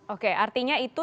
oke artinya itu